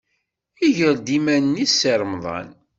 Iger-d iman-nnes Si Remḍan.